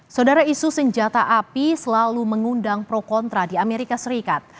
saudara isu senjata api selalu mengundang pro kontra di amerika serikat